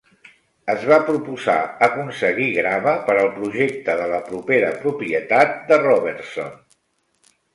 Es va proposar aconseguir grava per al projecte de la propera propietat de Robertson.